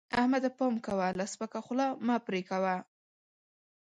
احمده! پام کوه؛ له سپکه خوله مه پرې کوه.